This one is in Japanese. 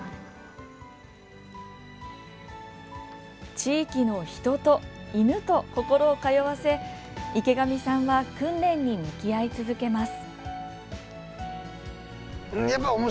地域の人と、犬と心を通わせ池上さんは訓練に向き合い続けます。